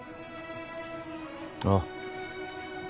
ああ。